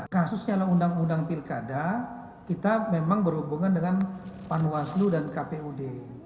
kasusnya undang undang pilkada kita memang berhubungan dengan panwaslu dan kpud